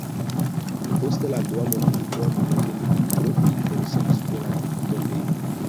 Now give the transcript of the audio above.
Post la Dua mondmilito oni longe ne tro interesiĝis pri la tombejo.